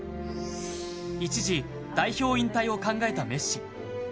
一時、代表引退を考えたメッシ。